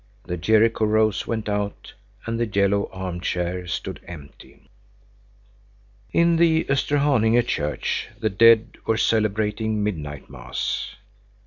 The Jericho rose went out, and the yellow arm chair stood empty. In the Österhaninge church the dead were celebrating midnight mass.